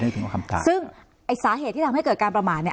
ซึ่งสาเหตุที่ทำให้เกิดการประมาทเนี่ย